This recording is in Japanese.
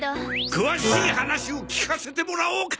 詳しい話を聞かせてもらおうか！